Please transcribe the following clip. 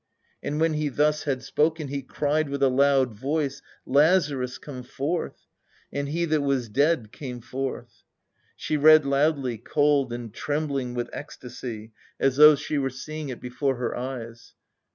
"And when He thus had spoken, He cried with a loud voice, Lazarus, come forth. "And he that was dead came forth." (She read loudly, cold and trembling with ecstasy, as though she were seeing it before her eyes.)